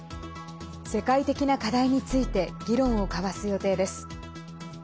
世界的な課題について議論を交わす予定です。